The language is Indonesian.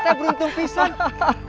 kayak mendadak setelah membeli tanah ini